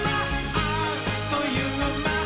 あっというまっ！」